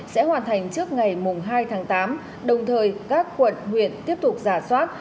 sẽ hoàn thành trước ngày hai tháng tám đồng thời các quận huyện tiếp tục giả soát